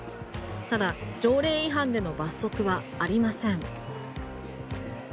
ただ条例違反での罰則はありません。